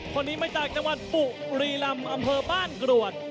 คนนี้มาจากจังหวัดปุรีลำอำเภอบ้านกรวด